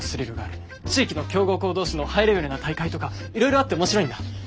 地域の強豪校同士のハイレベルな大会とかいろいろあって面白いんだ。